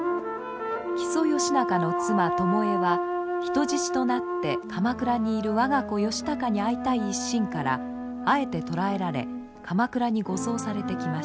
木曽義仲の妻巴は人質となって鎌倉にいる我が子義高に会いたい一心からあえて捕らえられ鎌倉に護送されてきました。